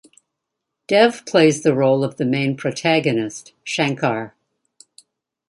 Dev plays the role of the main protagonist, Shankar.